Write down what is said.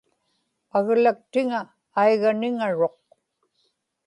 aglaktiŋa aiganiŋaruq